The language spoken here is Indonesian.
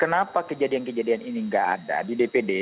kenapa kejadian kejadian ini nggak ada di dpd